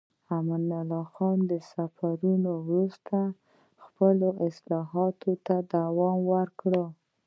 امان الله خان د سفرونو وروسته خپلو اصلاحاتو ته دوام ورکړ.